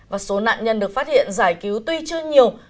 và số nạn nhân được phát hiện giải cứu tuy chưa nhiều